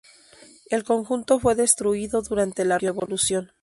El conjunto fue destruido durante la Revolución.